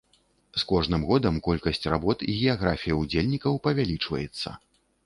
З кожным годам колькасць работ і геаграфія ўдзельнікаў павялічваецца.